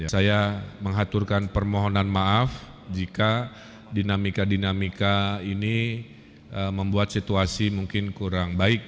saya mengaturkan permohonan maaf jika dinamika dinamika ini membuat situasi mungkin kurang baik